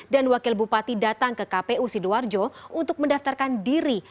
dan wakil bupati datang ke kpu sidoarjo untuk mendaftarkan diri